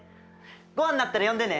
ごはんになったら呼んでね！